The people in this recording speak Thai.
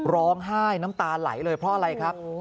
ร้องไห้น้ำตาไหลเลยเพราะอะไรครับ